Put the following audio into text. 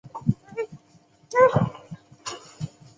柳叶鳞球花为爵床科鳞球花属下的一个种。